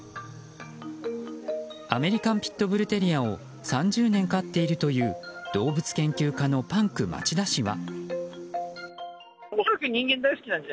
アメリカン・ピットブル・テリアを３０年飼っているという動物研究家のパンク町田氏は。